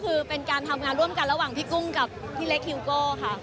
คือเป็นการทำงานร่วมกันระหว่างพี่กุ้งกับพี่เล็กฮิวโก้ค่ะ